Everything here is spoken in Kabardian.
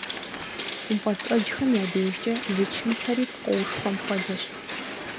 Хъумпӏэцӏэджхэм я дежкӏэ зы чымпэри пкъоушхуэм хуэдэщ.